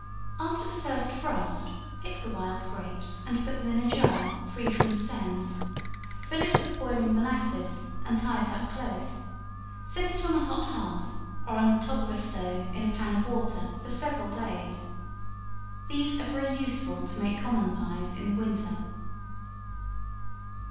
After the first frost, pick the wild grapes, and put them in a jar, free from stems; fill it with boiling molasses, and tie it up close; set it on a hot hearth, or on the top of a stove, in a pan of water, for several days. These are very useful to make common pies in the winter.